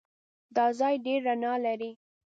دا ځای ډېر رڼا لري.